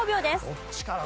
どっちかな？